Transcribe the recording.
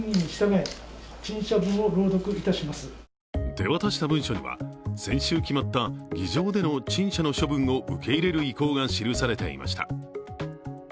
手渡した文書には、先週決まった議場での陳謝の処分を受け入れる意向が記されていました。